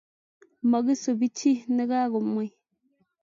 .Mokisup chi na kakomwei